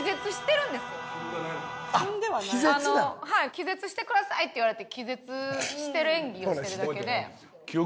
「気絶してください」って言われて気絶してる演技をしてるだけで。